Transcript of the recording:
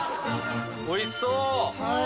おいしそう！